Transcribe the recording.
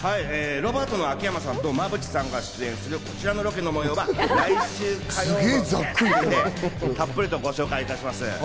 ロバートの秋山さんと馬淵さんが出演するこちらのロケの模様は、来週火曜の『スッキリ』でたっぷりご紹介いたします。